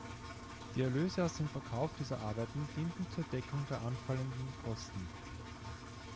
Die Erlöse aus dem Verkauf dieser Arbeiten dienten zur Deckung der anfallende Kosten.